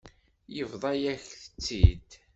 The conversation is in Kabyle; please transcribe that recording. Yebḍa-yak-tt-id.